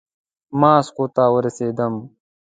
ماسکو ته ورسېدم.